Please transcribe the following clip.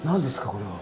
これは。